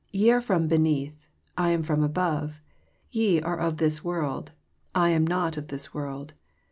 Ye are from beneath; I am from above: ye are of this world; I am not of this world.